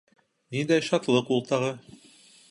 — Ниндәй шатлыҡ ул тағы!